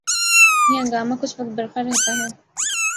یہ ہنگامہ کچھ وقت برپا رہتا ہے۔